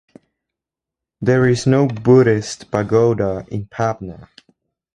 There is no Buddhist pagoda in Pabna.